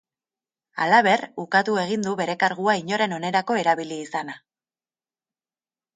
Halaber, ukatu egin du bere kargua inoren onerako erabili izana.